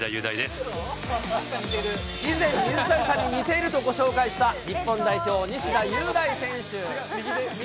以前、水谷さんに似ているとご紹介した日本代表、西田優大選手。